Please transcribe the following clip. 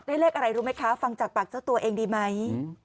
เลขอะไรรู้ไหมคะฟังจากปากเจ้าตัวเองดีไหม